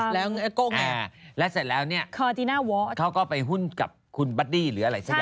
แล้วเสร็จแล้วเนี่ยเขาก็ไปหุ้นกับคุณบัดดี้หรืออะไรสักอย่าง